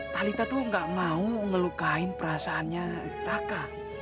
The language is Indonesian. talita tuh gak mau ngelukain perasaannya raka